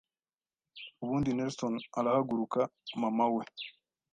ubundi Nelson arahaguruka Mama we